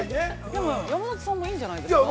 でも山里さんもいいんじゃないですか。